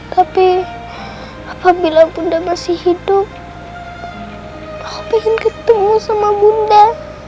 tapi apabila bunda masih hidup aku ingin ketemu sama bunda